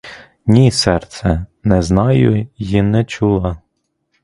Ні, серце, не знаю й не чула.